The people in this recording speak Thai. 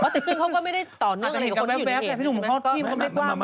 แต่กึ้งเขาก็ไม่ได้ต่อเนื่องอะไร